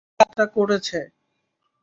ওরা ইতিমধ্যে কাজটা করেছে।